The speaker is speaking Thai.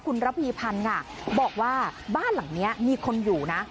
คุณระพีพันธ์ค่ะบอกว่าบ้านหลังนี้มีคนอยู่นะ